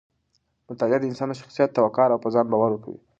مطالعه د انسان شخصیت ته وقار او په ځان باور ورکوي.